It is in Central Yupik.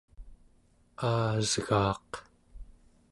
aasgaaq